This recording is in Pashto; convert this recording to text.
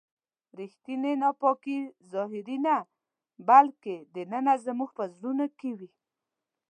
ریښتینې ناپاکي ظاهري نه بلکې دننه زموږ په زړونو کې وي.